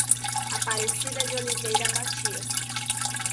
Aparecida de Oliveira Matias